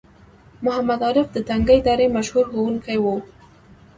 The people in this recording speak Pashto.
محمد عارف د تنگي درې مشهور ښوونکی وو